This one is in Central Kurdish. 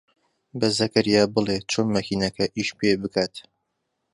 بە زەکەریا بڵێ چۆن مەکینەکە ئیش پێ بکات.